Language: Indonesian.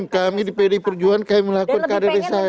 kami di pdi perjuangan kami melakukan kandarisasi